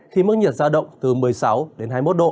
khi mức nhiệt ra động từ một mươi sáu đến hai mươi một độ